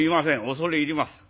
恐れ入ります。